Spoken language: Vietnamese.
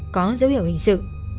có dấu hiệu hình sự